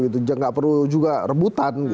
tidak perlu juga rebutan